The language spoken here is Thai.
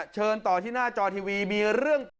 เชิญต่อที่หน้าจอทีวีมีเรื่อง